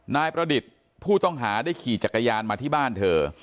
นายประดิษฐ์ผู้ต้องหาได้ขี่จักรยานมาที่บ้านเธอ